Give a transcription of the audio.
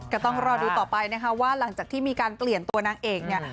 ก็ต้องรอดูต่อไปนะคะว่าหลังจากที่มีการเปลี่ยนตัวนางเอกเนี่ย